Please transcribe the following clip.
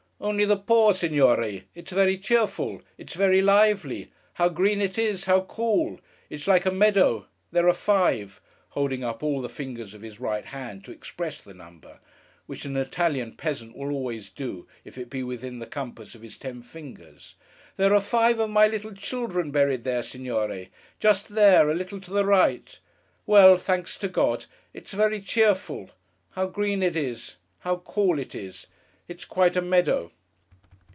'Only the poor, Signore! It's very cheerful. It's very lively. How green it is, how cool! It's like a meadow! There are five,'—holding up all the fingers of his right hand to express the number, which an Italian peasant will always do, if it be within the compass of his ten fingers,—'there are five of my little children buried there, Signore; just there; a little to the right. Well! Thanks to God! It's very cheerful. How green it is, how cool it is! It's quite a meadow!